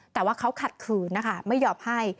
แต่ว่าเขาขัดขืนนะคะไม่ยอมให้